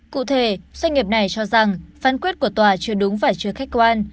cụ thể doanh nghiệp này cho rằng phán quyết của tòa chưa đúng và chưa khách quan